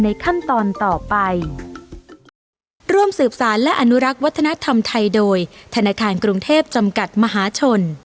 ขั้นตอนต่อไปร่วมสืบสารและอนุรักษ์วัฒนธรรมไทยโดยธนาคารกรุงเทพจำกัดมหาชน